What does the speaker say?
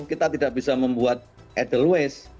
kita tidak bisa membuat edelweiss